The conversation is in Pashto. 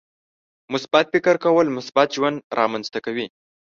• مثبت فکر کول، مثبت ژوند رامنځته کوي.